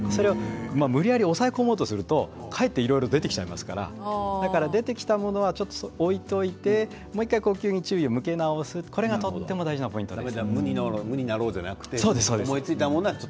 無理やり抑え込もうとするとかえっていろいろ出てきちゃいますから出てきたものはちょっと置いておいてもう１回呼吸に注意を持って直すこれがとても大事なポイントです。